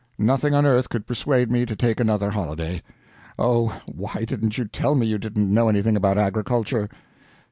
Nothing on earth could persuade me to take another holiday. Oh! why didn't you tell me you didn't know anything about agriculture?"